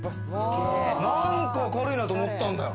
なんか明るいなと思ったんだよ。